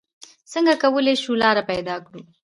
څنګه کولې شو لاره پېدا کړو؟